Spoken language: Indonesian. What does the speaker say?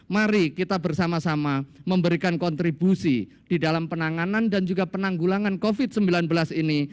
mari kita bersama sama memberikan kontribusi di dalam penanganan dan juga penanggulangan covid sembilan belas ini